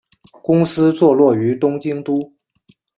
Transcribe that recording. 公司坐落于东京都。